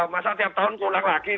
masa tiap tahun kulang lagi nih